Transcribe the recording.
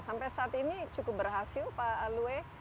sampai saat ini cukup berhasil pak alwe